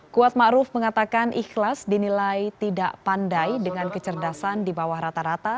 kuat ma'ruf mengatakan ikhlas dinilai tidak pandai dengan kecerdasan di bawah rata rata